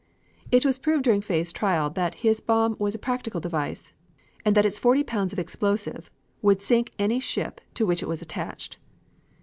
It was proved during Fay's trial that his bomb was a practical device, and that its forty pounds of explosive would sink any ship to which it was attached.